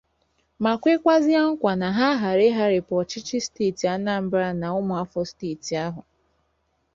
ma kwekwazie nkwà na ha agaghị agharịpụ ọchịchị steeti Anambra na ụmụ afọ steeti ahụ